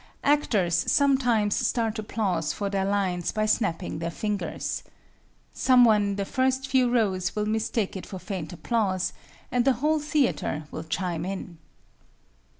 Actors sometimes start applause for their lines by snapping their fingers. Some one in the first few rows will mistake it for faint applause, and the whole theatre will chime in.